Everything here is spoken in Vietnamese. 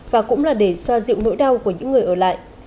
và cũng là để xoa dịu nỗi đau của những người ở lại